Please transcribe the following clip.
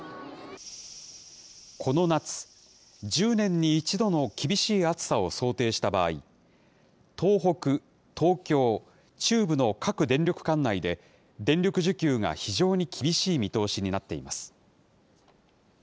この夏、１０年に一度の厳しい暑さを想定した場合、東北、東京、中部の各電力管内で、電力需給が非常に厳しい見通しになっています。